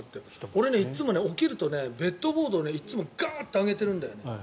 俺、いつも起きるとベッドボード、いつもガーッと上げてるんだよね。